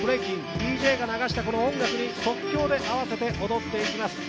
ＤＪが流した音楽に即興で合わせて踊っていきます。